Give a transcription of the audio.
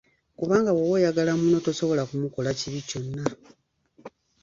Kubanga bw’oba oyagala munno tosobola kumukola kibi kyonna.